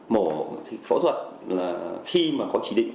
mổ phẫu thuật là khi mà có chỉ định